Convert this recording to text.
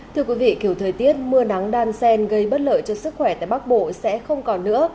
thưa quý vị kiểu thời tiết mưa nắng đan xen gây bất lợi cho sức khỏe tại bắc bộ sẽ không còn nữa